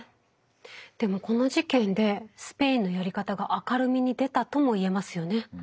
でもこの事件でスペインのやり方が明るみに出たとも言えますよね。